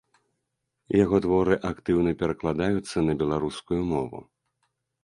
Яго творы актыўна перакладаюцца на беларускую мову.